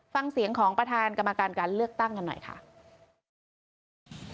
ฟังเสียงของประธานกรรมการการเลือกตั้งกันหน่อยค่ะ